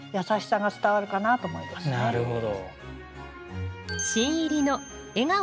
なるほど。